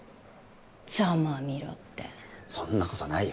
ざまあみろってそんなことないよ